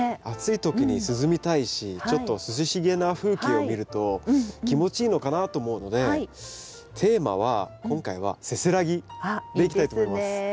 暑い時に涼みたいしちょっと涼しげな風景を見ると気持ちいいのかなと思うのでテーマは今回は「せせらぎ」でいきたいと思います。